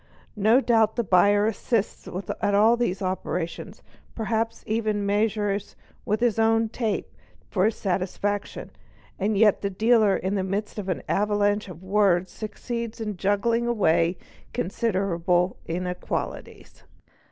No doubt the buyer assists at all these operations, perhaps even measures with his own tape for his own satisfaction, and yet the dealer in the midst of an avalanche of words succeeds in juggling away consider ible inequalities.